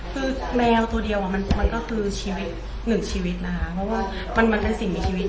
คือแมวตัวเดียวมันก็คือชีวิตหนึ่งชีวิตนะคะเพราะว่ามันเป็นสิ่งมีชีวิต